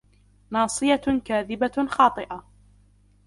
ناصية كاذبة خاطئة